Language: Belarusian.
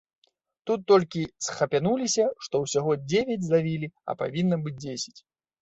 Тут толькі схапянуліся, што ўсяго дзевяць злавілі, а павінна быць дзесяць.